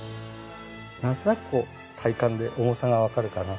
なんとなくこう体感で重さがわかるかな。